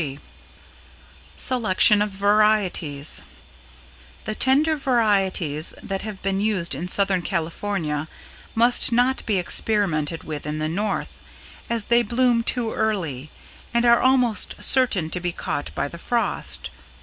[Sidenote: =Selection of Varieties=] The tender varieties that have been used in Southern California must not be experimented with in the North, as they bloom too early and are almost certain to be caught by the frost.